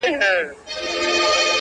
په جهان جهان غمو یې ګرفتار کړم٫